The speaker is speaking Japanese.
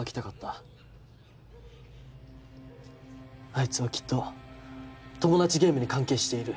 あいつはきっとトモダチゲームに関係している。